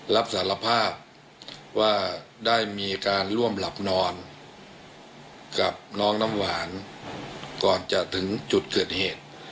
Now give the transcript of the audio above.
รับสารภาพว่าได้มีการร่วมหลับนอนกับน้องน้ำหวานก่อนจะถึงจุดเกิดเหตุ